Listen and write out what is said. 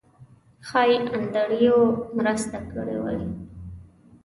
ښایي انډریو مرسته کړې وي.